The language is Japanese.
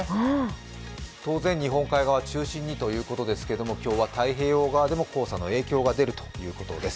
当然、日本海側中心にということですけれども、今日は太平洋側でも黄砂の影響が出るということです。